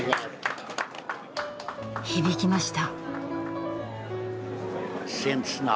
響きました。